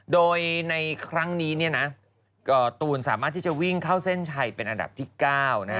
โดยในครั้งนี้เนี่ยนะตูนสามารถที่จะวิ่งเข้าเส้นชัยเป็นอันดับที่๙นะ